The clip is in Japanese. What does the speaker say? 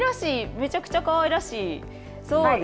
めちゃくちゃかわいらしい。